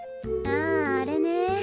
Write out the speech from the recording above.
ああれね。